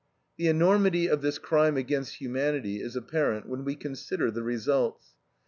The enormity of this crime against humanity is apparent when we consider the results.